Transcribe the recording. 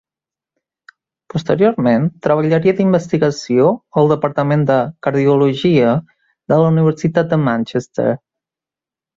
Posteriorment, treballaria d'investigació al Departament de Cardiologia de la Universitat de Manchester.